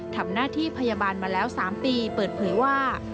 ทำหน้าที่พยาบาลมาแล้ว๓ปีเปิดเผยว่า